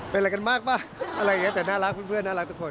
เป็นอะไรกันมากป่ะอะไรอย่างนี้แต่น่ารักเพื่อนน่ารักทุกคน